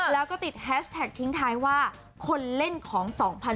แล้วก็ติดแฮชแท็กทิ้งท้ายว่าคนเล่นของ๒๐๑๖